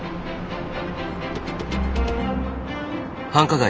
繁華街